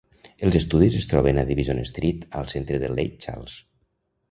Els estudis es troben a Division Street al centre de Lake Charles.